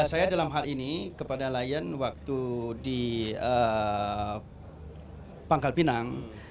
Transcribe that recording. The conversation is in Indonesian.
saya dalam hal ini kepada lion waktu di pangkal pinang